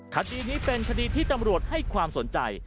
คดีนี้เป็นคดีที่ตำรวจให้ความสนใจ